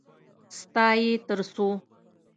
_ستا يې تر څو؟